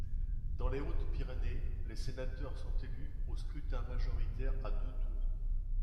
Dans les Hautes-Pyrénées, les sénateurs sont élus au scrutin majoritaire à deux tours.